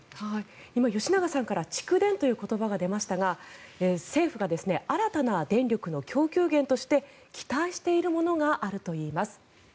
今、吉永さんから蓄電という言葉が出ましたが政府が新たな電力の供給源として期待しているものがあるといいます。